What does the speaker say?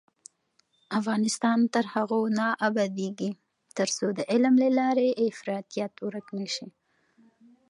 افغانستان تر هغو نه ابادیږي، ترڅو د علم له لارې افراطیت ورک نشي.